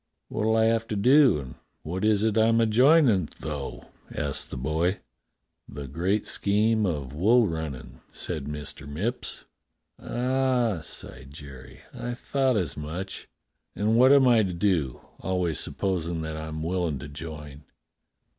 "What'll I have to do and what is it I'm a joinin', though?" asked the boy. "The great scheme of wool runnin'," said Mr. Mipps. "Ah," sighed Jerry, "I thought as much. And what am I to do, always supposin' that I'm willin' to join.'